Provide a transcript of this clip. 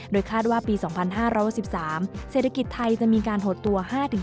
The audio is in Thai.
คาดว่าปี๒๕๖๓เศรษฐกิจไทยจะมีการหดตัว๕๓